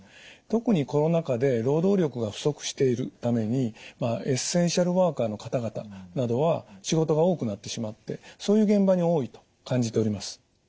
特にコロナ禍で労働力が不足しているためにエッセンシャルワーカーの方々などは仕事が多くなってしまってそういう現場に多いと感じております。